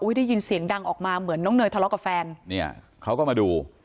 ได้ยินเสียงดังออกมาเหมือนน้องเนยทะเลาะกับแฟนเนี่ยเขาก็มาดู